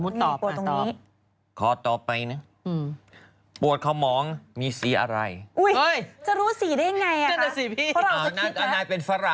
โรคปวดขมองสะยองขมับ